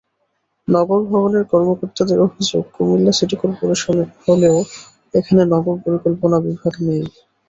নগর ভবনের কর্মকর্তাদের অভিযোগ, কুমিল্লা সিটি করপোরেশন হলেও এখানে নগর পরিকল্পনা বিভাগ নেই।